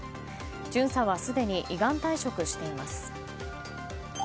巡査はすでに依願退職しています。